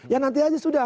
ya nanti aja sudah